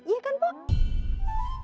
iya kan pok